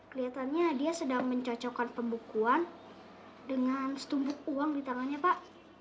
kelihatannya dia sedang mencocokkan pembekuan dengan setumpuk uang di tangannya pak